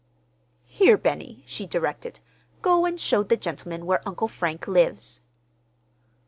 "Here, Benny," she directed, "go and show the gentleman where Uncle Frank lives."